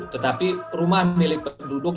tetapi rumah milik penduduk